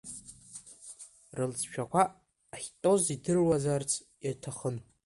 Рылҵшәақәа ахьтәоз идыруазарц иҭахын.